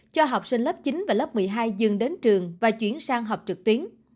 cho học sinh lớp chín và lớp một mươi hai dừng đến trường và chuyển sang học trực tuyến